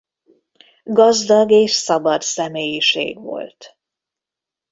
Gazdag és szabad személyiség volt.